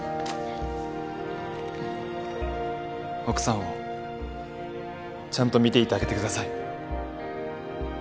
奥さんをちゃんと見ていてあげてください。